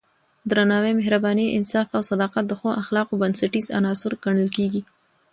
درناوی، مهرباني، انصاف او صداقت د ښو اخلاقو بنسټیز عناصر ګڼل کېږي.